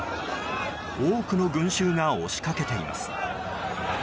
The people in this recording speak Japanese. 多くの群衆が押しかけています。